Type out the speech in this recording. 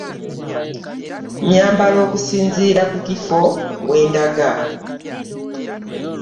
Nyambala okusinzira ku kifo we ndaga.